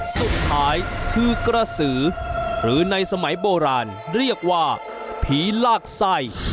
สุดท้ายคือกระสือหรือในสมัยโบราณเรียกว่าผีลากไส้